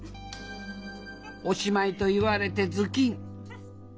「おしまい」と言われてズキン！